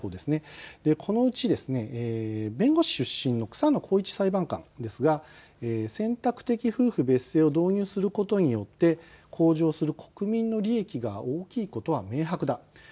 このうち弁護士出身の草野耕一裁判官ですが、選択的夫婦別姓を導入することによって向上する国民の利益が大きいことは明白だ。